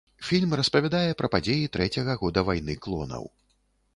Фільм распавядае пра падзеі трэцяга года вайны клонаў.